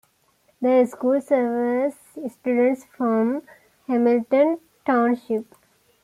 The school serves students from Hamilton Township.